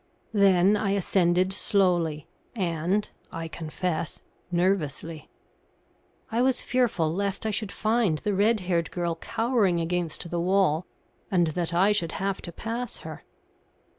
Then I ascended slowly and, I confess, nervously. I was fearful lest I should find the red haired girl cowering against the wall, and that I should have to pass her.